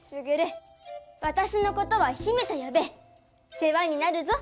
世話になるぞ。